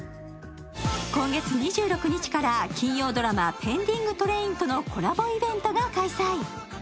今月２６日から金曜ドラマ「ペンディングトレイン」とのコラボイベントが開催。